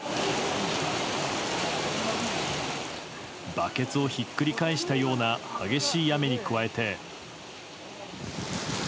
バケツをひっくり返したような激しい雨に加えて。